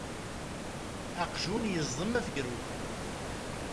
Aqjun yeẓdem af ugrud.